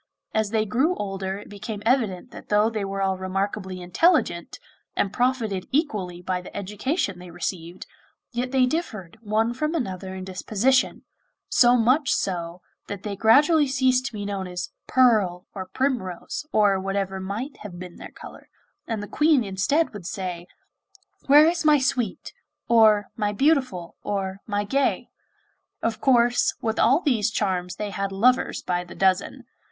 As they grew older it became evident that though they were all remarkably intelligent, and profited equally by the education they received, yet they differed one from another in disposition, so much so that they gradually ceased to be known as 'Pearl,' or 'Primrose,' or whatever might have been their colour, and the Queen instead would say: 'Where is my Sweet?' or 'my Beautiful,' or 'my Gay.' Of course, with all these charms they had lovers by the dozen.